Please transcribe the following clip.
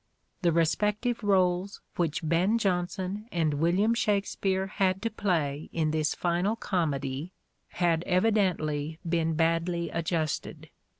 The respective roles which Ben Jonson and William Shakspere had to play in this final comedy had evidently been badly adjusted.